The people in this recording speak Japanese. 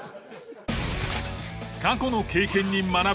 過去の経験に学ぶ。